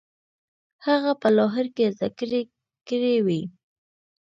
هغه په لاهور کې زده کړې کړې وې.